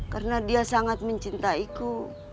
karena dia sangat mencintaiku